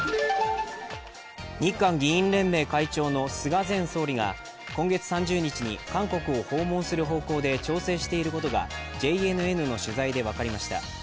日韓議員連盟会長の菅前総理が今月３０日に韓国を訪問する方向で調整していることが、ＪＮＮの取材で分かりました。